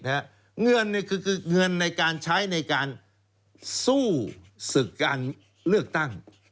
เงินคือเงินในการใช้ในการสู้ศึกการเลือกตั้ง